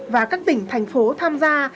và các tỉnh thành phố tham gia